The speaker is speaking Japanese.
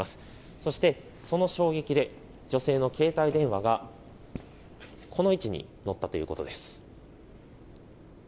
そして、その衝撃で女性の携帯電話が車の上に乗ったということです。